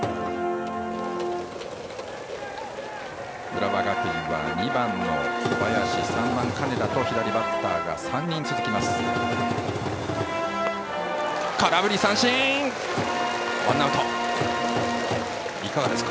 浦和学院は２番の小林３番、金田と左バッターが３人続きます。